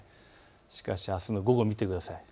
しかしあすの午後を見てください。